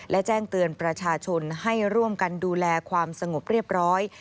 และแจ้งเตือนประชาชนให้ร่วมกันดูแลความสงบเรียบร้อย